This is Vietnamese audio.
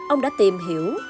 ông đã tìm hiểu